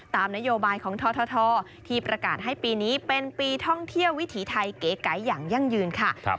ตามนโยบายของททที่ประกาศให้ปีนี้เป็นปีท่องเที่ยววิถีไทยเก๋ไยอย่างยั่งยืนค่ะ